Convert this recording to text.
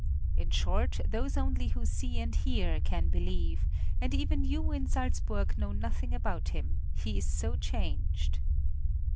In short, those only who see and hear can believe; and even you in Salzburg know nothing about him, he is so changed."